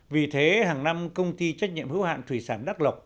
vì thế hàng năm công ty trách nhiệm hữu hạn thủy sản đắc lộc